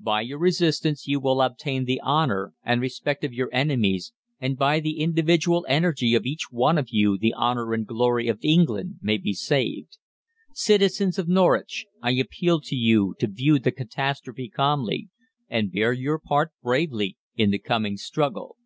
By your resistance you will obtain the honour and respect of your enemies, and by the individual energy of each one of you the honour and glory of England may be saved. CITIZENS OF NORWICH, I appeal to you to view the catastrophe calmly, and bear your part bravely in the coming struggle.